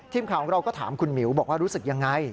ทีมข่าวของเราก็ถามคุณหมิวบอกว่ารู้สึกยังไง